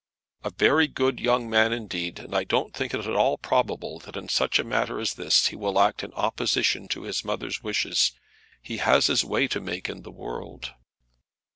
"A very good young man indeed; and I don't think it at all probable that in such a matter as this he will act in opposition to his mother's wishes. He has his way to make in the world."